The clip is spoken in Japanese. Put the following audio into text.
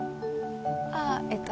ああえっと